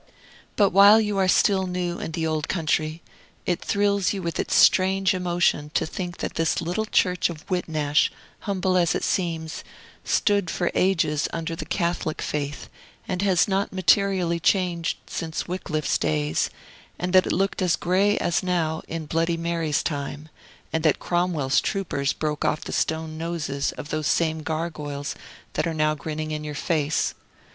But while you are still new in the old country, it thrills you with strange emotion to think that this little church of Whitnash, humble as it seems, stood for ages under the Catholic faith, and has not materially changed since Wickcliffe's days, and that it looked as gray as now in Bloody Mary's time, and that Cromwell's troopers broke off the stone noses of those same gargoyles that are now grinning in your face.